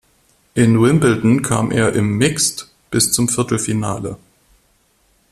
In Wimbledon kam er im Mixed bis zum Viertelfinale.